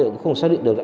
cũng không xác định được